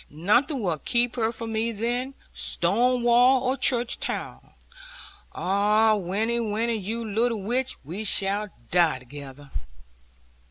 Nothing will keep her from me then, stone wall or church tower. Ah, Winnie, Winnie, you little witch, we shall die together.'